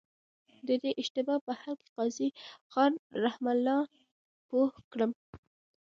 د دې اشتباه په حل کي قاضي خان رحمه الله پوه کړم.